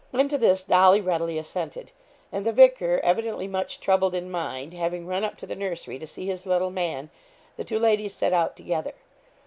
And to this Dolly readily assented; and the vicar, evidently much troubled in mind, having run up to the nursery to see his little man, the two ladies set out together.